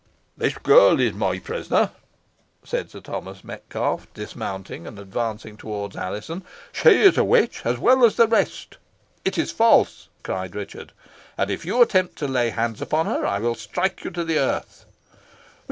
"This girl is my prisoner," said Sir Thomas Metcalfe, dismounting, and advancing towards Alizon, "She is a witch, as well as the rest." "It is false," cried Richard! "and if you attempt to lay hands upon her I will strike you to the earth."